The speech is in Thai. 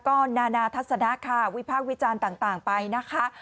ก็นานาทัศนะค่ะวิพากษ์วิจารณ์ต่างไปนะคะ